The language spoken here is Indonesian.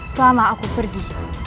selama aku pergi